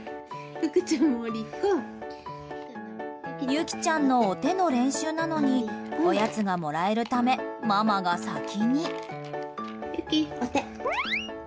幸来ちゃんのお手の練習なのにおやつがもらえるためママが先に。